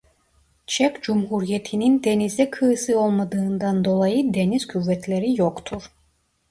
Çek Cumhuriyeti'nin denize kıyısı olmadığından dolayı Deniz Kuvvetleri yoktur.